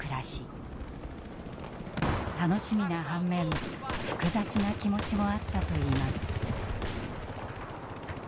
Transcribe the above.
楽しみな半面複雑な気持ちもあったといいます。